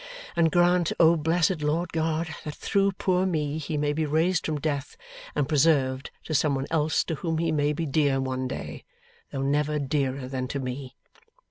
And grant, O Blessed Lord God, that through poor me he may be raised from death, and preserved to some one else to whom he may be dear one day, though never dearer than to me!